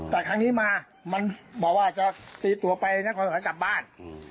แต่อันนี้มามันบอกว่าก็ตีตัวไปแล้วค้อนทุบเขาขับบ้าน